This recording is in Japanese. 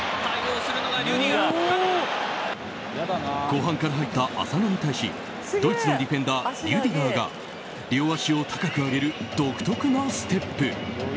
後半から入った浅野に対しドイツのディフェンダーリュディガーが両足を高く上げる独特なステップ。